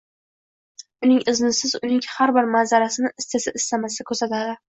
Uning iznisiz uning har bir manzarasini istasa-istamasa kuzatadi.